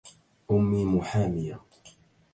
امي محامية